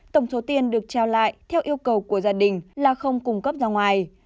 tổng số tiền được trao lại theo yêu cầu của gia đình là không cung cấp ra ngoài